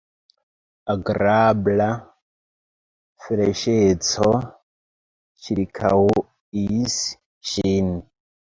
Agrabla freŝeco ĉirkaŭis ŝin.